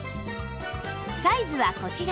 サイズはこちら